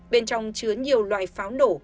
bên trong chứa nhiều loại pháo nổ